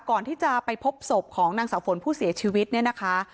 ก่อนที่จะไปพบศพของนางสาวฝนผู้เสียชีวิตเนี่ยนะคะ